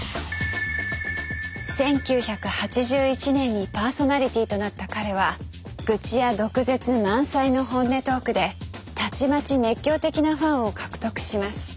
１９８１年にパーソナリティーとなった彼は愚痴や毒舌満載の本音トークでたちまち熱狂的なファンを獲得します。